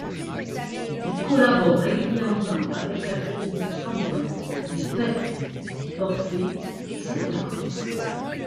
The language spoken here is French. Il collabore régulièrement avec l'Académie du Tambourin, les Festes d'Orphée, etc.